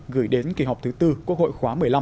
gửi đến kỳ họp thứ tư quốc hội khóa một mươi năm